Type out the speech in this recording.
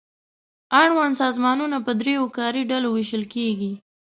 اړوند سازمانونه په دریو کاري ډلو وېشل کیږي.